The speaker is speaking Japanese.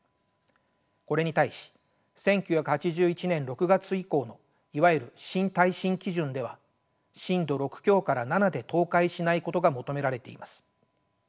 これに対し１９８１年６月以降のいわゆる新耐震基準では震度６強から７で倒壊しないことが求められています。